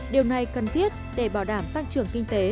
điều này cần thiết để bảo đảm tăng trưởng kinh tế